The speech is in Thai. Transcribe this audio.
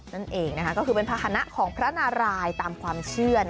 นั่นเองก็คือเป็นภาษณะของพระนารายตามความเชื่อ